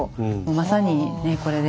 まさにこれで。